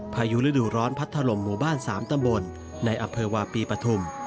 พายุฤดูร้อนพัดถล่มหมู่บ้าน๓ตำบลในอำเภอวาปีปฐุม